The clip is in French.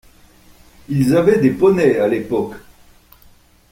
Ils avaient des poneys à l'époque.